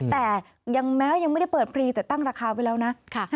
แต่แม้ยังไม่ได้เปิดฟรีแต่ตั้งราคาไว้แล้วนะ